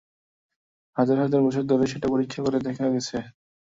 হাজার হাজার বছর ধরে সেটা পরীক্ষা করে দেখা গেছে।